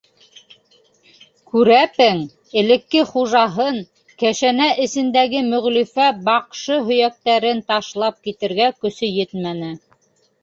Күрәпең, элекке хужаһын, кәшәнә эсендәге Мөғлифә баҡшы һөйәктәрен ташлап китергә көсө етмәне.